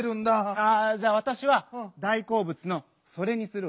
あじゃあわたしは大こうぶつの「それ」にするわ。